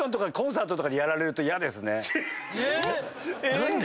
何で？